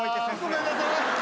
ごめんなさい。